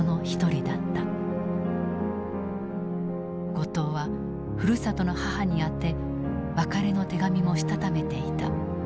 後藤はふるさとの母に宛て別れの手紙もしたためていた。